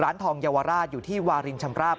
ร้านทองเยาวราชอยู่ที่วารินชำราบ